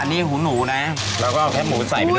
อันนี้หูหนูนะแล้วก็แค่หมูใส่ไปด้วย